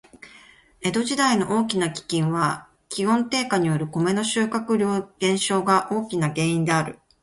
江戸時代の大きな飢饉は、気温低下によるコメの収穫量減少が大きな原因である。